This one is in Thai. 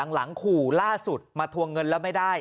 หลังขู่ล่าสุดมาทวงเงินแล้วไม่ได้